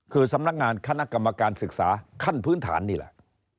คือสำนักงานคณะกรรมการศึกษาขั้นพื้นฐานนี่แหละ